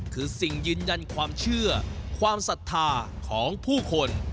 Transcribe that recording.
คือสิ่งยืนยันความเชื่อความศรัทธาของผู้คน